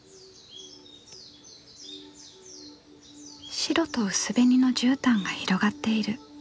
白と薄紅のじゅうたんが広がっている。